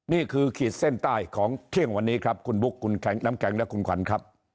ขีดเส้นใต้ของเที่ยงวันนี้ครับคุณบุ๊คคุณน้ำแข็งและคุณขวัญครับ